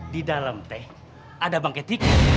di dalem teh ada bangket tik